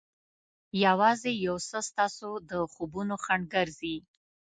یوازې یو څه ستاسو د خوبونو خنډ ګرځي.